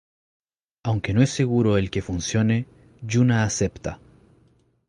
Aunque no es seguro el que funcione, Yuna acepta.